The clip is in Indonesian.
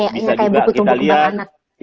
ini kayak buku tumbuh kembang anak